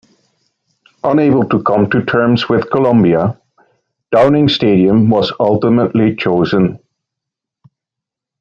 Unable to come to terms with Columbia, Downing Stadium was ultimately chosen.